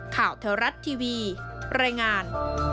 ข่าวเทวรัฐทีวีรายงาน